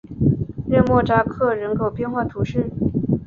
热莫扎克人口变化图示